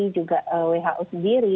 juga who sendiri